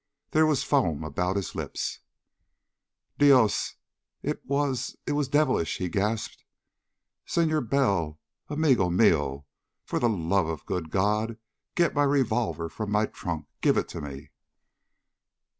There was foam about his lips. "Dios! It was it was devilish!" he gasped. "Senor Bell, amigo mio, for the love of the good God get my revolver from my trunk. Give it to me...."